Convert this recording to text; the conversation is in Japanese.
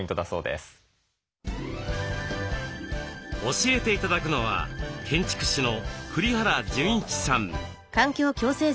教えて頂くのは建築士の栗原潤一さん。